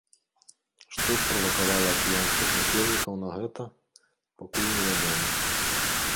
Што справакавала акіянскіх насельнікаў на гэта, пакуль не вядома.